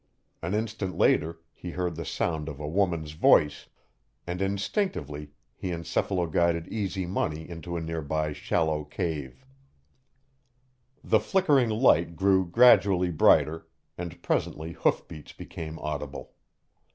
An instant later he heard the sound of a woman's voice, and instinctively he encephalo guided Easy Money into a nearby shallow cave. The flickering light grew gradually brighter, and presently hoofbeats became audible.